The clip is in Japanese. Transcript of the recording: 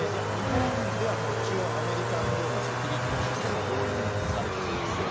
日本では一応アメリカのようなセキュリティーのシステムは導入されております。